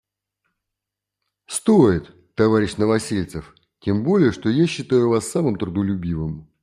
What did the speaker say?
Стоит, товарищ Новосельцев, тем более, что я считаю Вас самым трудолюбивым.